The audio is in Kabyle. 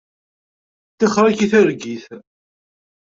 Tixeṛ-ik i targit.